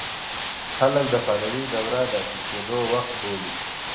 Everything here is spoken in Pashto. خلک د پهلوي دوره د عصري کېدو وخت بولي.